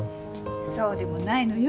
そうでもないのよ。